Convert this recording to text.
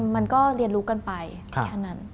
มันก็เรียนรู้กันไปแค่นั้น